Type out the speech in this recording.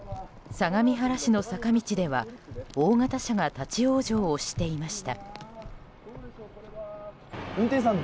相模原市の坂道では大型車が立ち往生をしていました。